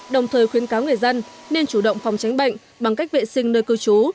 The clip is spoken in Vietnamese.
đồng thời khuyến cáo người dân nên chủ động phòng tránh bệnh bằng cách vệ sinh nơi cư trú